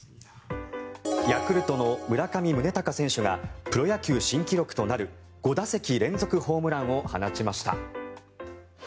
ヤクルトの村上宗隆選手がプロ野球新記録となる５打席連続ホームランを放ちました。